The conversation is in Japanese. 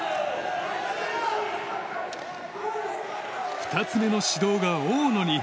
２つ目の指導が大野に。